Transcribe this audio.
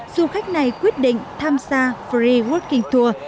du khách này quyết định tham gia free wooking tour